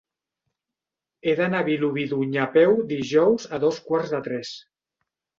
He d'anar a Vilobí d'Onyar a peu dijous a dos quarts de tres.